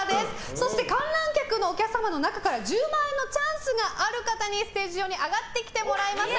そして観覧客のお客様の中から１０万円のチャンスがある方にステージ上に上がってきてもらいました。